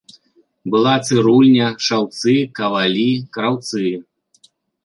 Была цырульня, шаўцы, кавалі, краўцы.